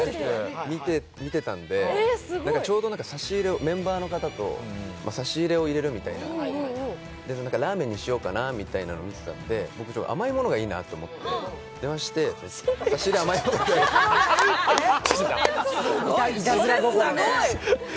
見てたので、ちょうど差し入れを、メンバーの方と差し入れを入れるみたいな、ラーメンにしようかなと見てたんで、僕、甘いものがいいなと思って電話して甘いものがいいなって。